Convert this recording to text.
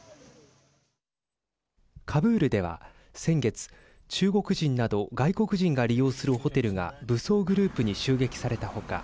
カブールでは先月中国人など外国人が利用するホテルが武装グループに襲撃された他